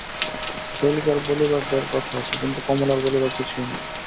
শৈলজার বলিবার ঢের কথা আছে, কিন্তু কমলার বলিবার কিছুই নাই।